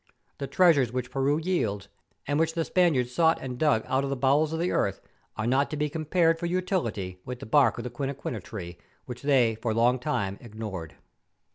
The treasures which Peru yields, and which the Spaniards sought and dug out of the bowels of the earth, are not to be compared for utility with the bark of the quinquina tree, which they for a long time ignored.